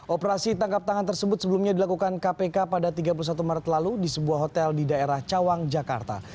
operasi tangkap tangan tersebut sebelumnya dilakukan kpk pada tiga puluh satu maret lalu di sebuah hotel di daerah cawang jakarta